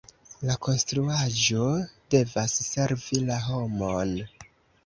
La konstruaĵo devas servi la homon.